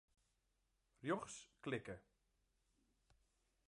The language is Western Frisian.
Rjochts klikke.